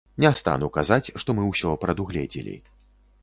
Не стану казаць, што мы ўсё прадугледзелі.